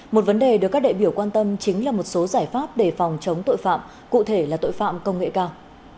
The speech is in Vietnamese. một vấn đề được các đại biểu quan tâm chính là một số giải pháp để phòng chống tội phạm cụ thể là tội phạm công nghệ cao